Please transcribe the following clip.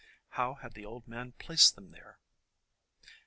How had the old man placed them there?